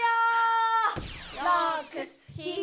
６７。